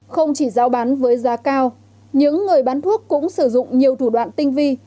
không chỉ giao bán với giá cao những người bán thuốc cũng sử dụng nhiều thủ đoạn tinh vi